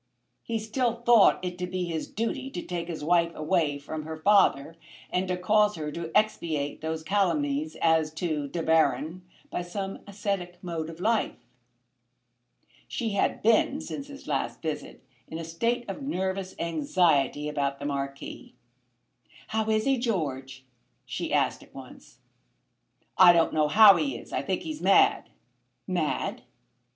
He still thought it to be his duty to take his wife away from her father, and to cause her to expiate those calumnies as to De Baron by some ascetic mode of life. She had been, since his last visit, in a state of nervous anxiety about the Marquis. "How is he, George?" she asked at once. "I don't know how he is. I think he's mad." "Mad?"